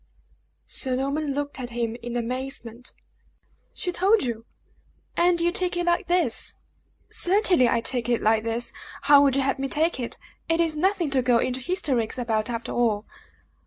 Sir Norman looked at him in amazement. "She told you, and you take it like this?" "Certainly, I take it like this. How would you have me take it? It is nothing to go into hysterics about, after all!"